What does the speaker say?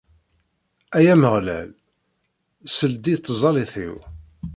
Ay Ameɣlal, sel-d i tẓallit-iw.